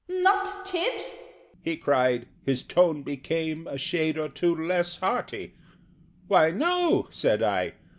"Not Tibbs!" he cried his tone became A shade or two less hearty "Why, no," said I.